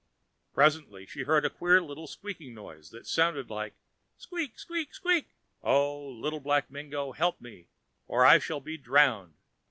Presently she heard a queer little squeaky noise that sounded like "Squeak, squeak, squeak!!! Oh, Little Black Mingo, help me, or I shall be drowned."